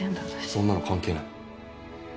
そんなの関係ない。